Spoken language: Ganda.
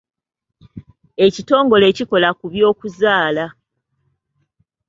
Ekitongole ekikola ku byokuzaala.